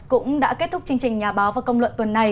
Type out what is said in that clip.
cũng đã kết thúc chương trình nhà báo và công luận tuần này